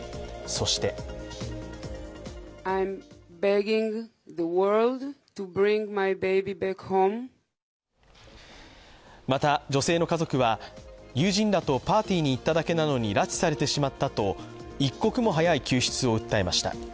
そしてまた、女性の家族は友人らとパーティーに行っただけなのに拉致されてしまったと、一刻も早い救出を訴えました。